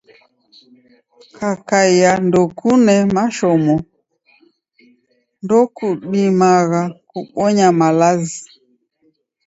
Kakai ndokune mashomo, ndokudumagha kubonya malazi.